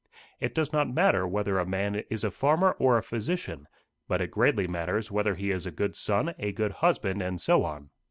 It does not matter whether a man is a farmer or a physician, but it greatly matters whether he is a good son, a good husband, and so on.